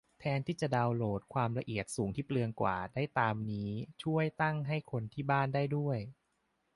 แทนที่จะโหลดความละเอียดสูงที่เปลืองกว่า ได้ตามนี้ ช่วยตั้งให้คนที่บ้านได้ด้วย